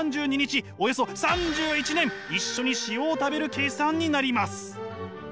およそ３１年一緒に塩を食べる計算になります。